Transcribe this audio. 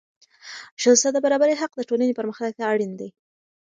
ښځو ته د برابرۍ حق د ټولنې پرمختګ ته اړین دی.